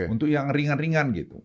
untuk yang ringan ringan gitu